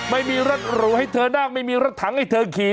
ไม่มีรถหรูให้เธอนั่งไม่มีรถถังให้เธอขี่